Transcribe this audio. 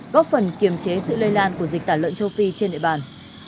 góp phần kiềm chế sự lây lan của dịch tả lợn châu phi trên địa bàn